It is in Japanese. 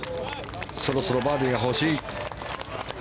そろそろバーディーが欲しい。